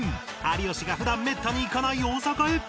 有吉が普段めったに行かない大阪へ